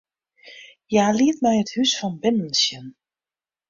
Hja liet my it hûs fan binnen sjen.